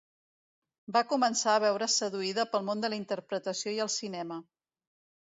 Va començar a veure's seduïda pel món de la interpretació i el cinema.